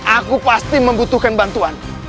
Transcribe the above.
aku pasti membutuhkan bantuan